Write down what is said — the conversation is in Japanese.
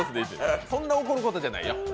そんな怒ることじゃないよ。